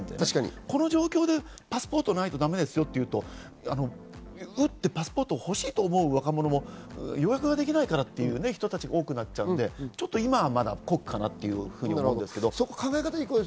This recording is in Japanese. この状況でパスポートがないとだめですよというと、打ってパスポート欲しいと思う若者も予約できないからという人も多くなっちゃうので、今はまだ酷かなと思います。